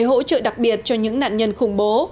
hỗ trợ đặc biệt cho những nạn nhân khủng bố